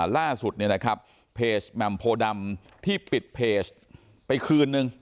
ล่าสุดเนี่ยนะครับเพจแหม่มโพดำที่ปิดเพจไปคืนนึง